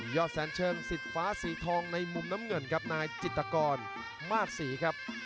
แสนเชิงสิทธิ์ฟ้าสีทองในมุมน้ำเงินครับนายจิตกรมาสศรีครับ